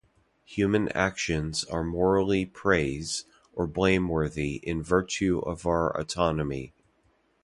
Human actions are morally praise or blameworthy in virtue of our autonomy.